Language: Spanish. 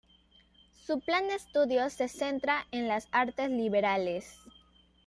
Su plan de estudios se centra en las artes liberales.